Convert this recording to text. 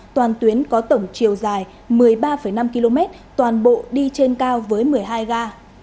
toàn tuyến có tổng chiều dài một mươi ba năm km toàn bộ đi trên cao với một mươi hai ga